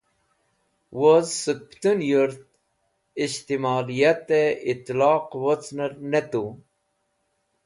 Woz sẽk putun Yurt Ishtimaliyate Itlaq wocner ne tu.